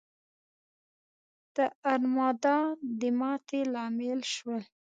د ارمادا د ماتې لامل شول.